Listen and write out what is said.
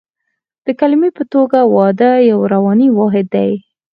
د کلمې په توګه واده یو رواني واحد دی